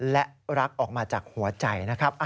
และรักออกมาจากหัวใจนะครับ